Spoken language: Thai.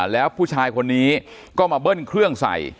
แล้วผู้ชายคนนี้ก็มาเบิ้ลเครื่องใส่